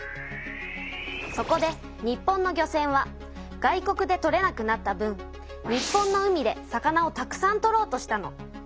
そこで日本の漁船は外国で取れなくなった分日本の海で魚をたくさん取ろうとしたの。